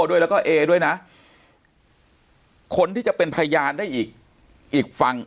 ด้วยแล้วก็เอด้วยนะคนที่จะเป็นพยานได้อีกอีกฝั่ง